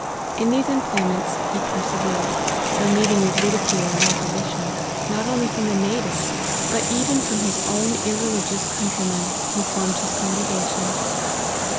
In these employments he persevered, though meeting with ridicule and opposition, not only from the natives, but even from his own irre ligious countrymen, who formed his congregation.